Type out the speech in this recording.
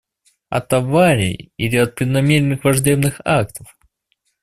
От аварий или от преднамеренных враждебных актов?